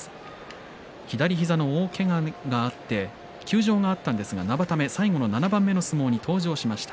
左膝の大けががあって休場があったんですが生田目最後の７番目の相撲に登場しました。